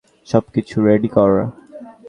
সবকিছু রেডি কর।